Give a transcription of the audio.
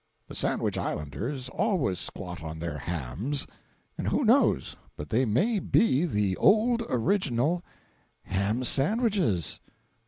(The Sandwich Islanders always squat on their hams, and who knows but they may be the old original "ham sandwiches?"